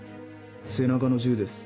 背中の銃です。